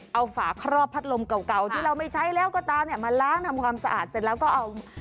เอาฝาครอบพัดลมเก่าเก่าที่เราไม่ใช้แล้วก็ตามเนี่ยมาล้างทำความสะอาดเสร็จแล้วก็เอา